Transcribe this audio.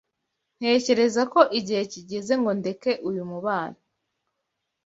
Ntekereza ko igihe kigeze ngo ndeke uyu mubano.